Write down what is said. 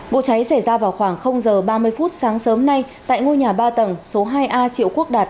vụ cháy xảy ra vào khoảng h ba mươi phút sáng sớm nay tại ngôi nhà ba tầng số hai a triệu quốc đạt